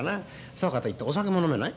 そうかといって『お酒も飲めない？